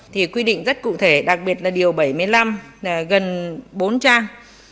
thì quy định rất cụ thể đặc biệt là điều bảy mươi năm là gần bốn trang